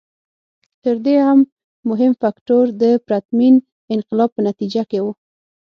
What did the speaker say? تر دې هم مهم فکټور د پرتمین انقلاب په نتیجه کې و.